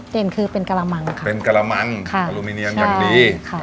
เด่นคือเป็นกะละมังเป็นกะละมังอัลโหลมิเนียมอย่างดี